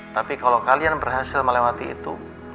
tapi kalau kalian berhasil melewati itu